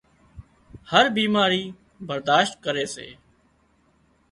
هر بيماري برادشت ڪري سي